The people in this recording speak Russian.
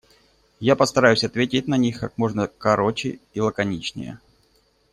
Я постараюсь ответить на них как можно короче и лаконичнее.